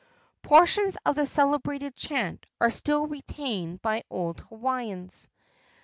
Portions of the celebrated chant are still retained by old Hawaiians.